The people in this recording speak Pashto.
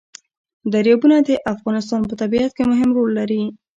دریابونه د افغانستان په طبیعت کې مهم رول لري.